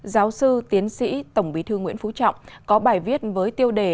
giáo sư tiến sĩ tổng bí thư nguyễn phú trọng có bài viết với tiêu đề